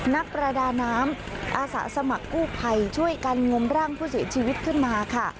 นักประดาน้ำอาสาสมัครกู้ภัยช่วยกันงมร่างผู้เสียชีวิตขึ้นมาค่ะ